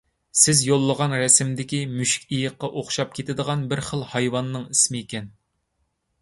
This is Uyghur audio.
سىز يوللىغان رەسىمدىكى مۈشۈكئېيىققا ئوخشاپ كېتىدىغان بىر خىل ھايۋاننىڭ ئىسمىكەن؟